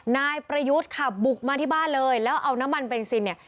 นายประยุทธ์ค่ะบุกมาที่บ้านเลยแล้วเอาน้ำมันเบนซินเนี่ย